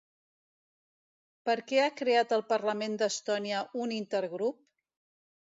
Per què ha creat el Parlament d'Estònia un intergrup?